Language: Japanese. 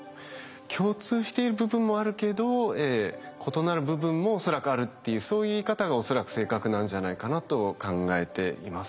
共通している部分もあるけど異なる部分も恐らくあるっていうそういう言い方が恐らく正確なんじゃないかなと考えています。